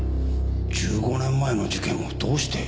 １５年前の事件をどうして？